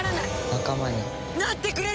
仲間になってくれるのか！？